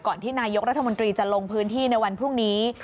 ที่นายกรัฐมนตรีจะลงพื้นที่ในวันพรุ่งนี้